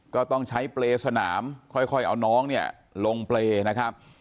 ก็ต้องใช้เปรย์สนามค่อยเอาน้องเนี่ยลงเปรย์นะครับ